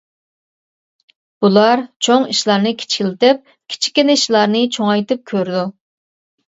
بۇلار چوڭ ئىشلارنى كىچىكلىتىپ، كىچىككىنە ئىشلارنى چوڭايتىپ كۆرىدۇ.